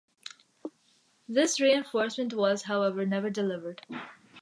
This reinforcement was, however, never delivered.